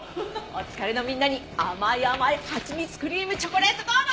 お疲れのみんなに甘い甘いはちみつクリームチョコレートドーナツ！